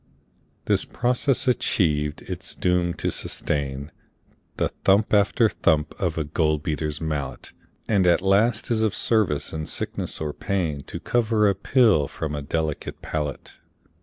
This process achiev'd, it is doom'd to sustain The thump after thump of a gold beater's mallet, And at last is of service in sickness or pain To cover a pill from a delicate palate.